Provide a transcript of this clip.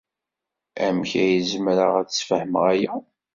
Amek ay zemreɣ ad d-sfehmeɣ aya?